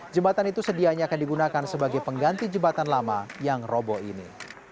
jembatan itu sedianya akan digunakan sebagai pengganti jembatan lama yang robo ini